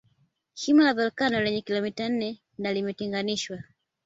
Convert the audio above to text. Shimo la volkeno lenye kilomita nne na limetenganishwa